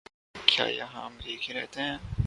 کیا یہاں امریکی رہتے ہیں؟